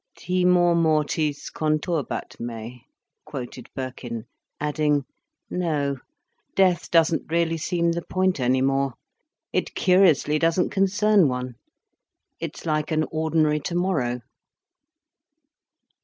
"Timor mortis conturbat me," quoted Birkin, adding—"No, death doesn't really seem the point any more. It curiously doesn't concern one. It's like an ordinary tomorrow."